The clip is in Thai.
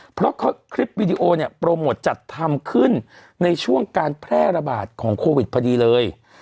เพราะคลิปวีดีโอเนี่ยโปรโมทจัดทำขึ้นในช่วงการแพร่ระบาดของโควิดพอดีเลย